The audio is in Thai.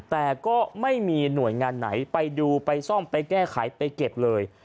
แต่ก็ไม่มีหน่วยงานไหนไปดูไปซ่อมไปแก้ไขไปเก็บเลย